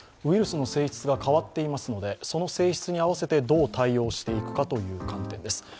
ウイルスの性質が変わっていますのでその性質に合わせて、どう対応していくかという観点です。